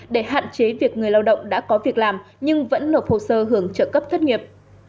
để hạn chế việc người lao động đã có việc làm nhưng vẫn nộp hồ sơ hưởng trợ cấp thất nghiệp